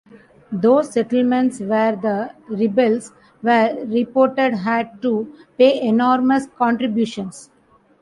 Those settlements where the rebels were reported had to pay enormous contributions.